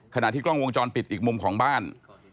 ที่กล้องวงจรปิดอีกมุมของบ้าน